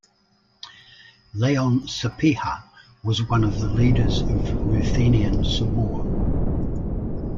Leon Sapieha was one of the leaders of Ruthenian sobor.